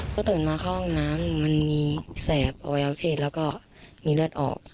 เธอโดนมาใกล้ห้องน้ำมันมีแสบยาวเขตแล้วก็มีเลือดออก